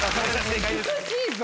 難しいぞ。